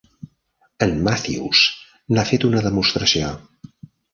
En Matthews n'ha fet una demostració.